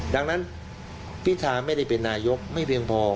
ดังนั้นพิธาไม่ได้เป็นนายกไม่เพียงพอ